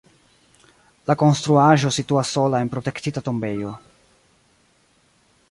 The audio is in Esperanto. La konstruaĵo situas sola en protektita tombejo.